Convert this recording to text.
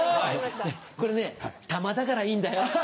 これねたまだからいいんだよ。